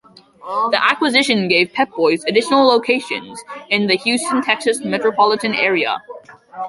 The acquisition gave Pep Boys additional locations in the Houston, Texas metropolitan area.